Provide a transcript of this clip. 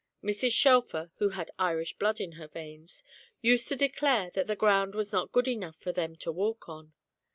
Mrs. Shelfer (who had Irish blood in her veins) used to declare that the ground was not good enough for them to walk on.